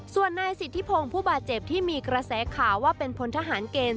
ส่วนนายสิทธิพงศ์ผู้บาดเจ็บที่มีกระแสข่าวว่าเป็นพลทหารเกณฑ์